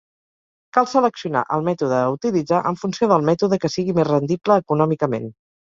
Cal seleccionar el mètode a utilitzar en funció del mètode que sigui més rendible econòmicament.